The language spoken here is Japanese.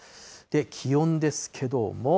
気温ですけども。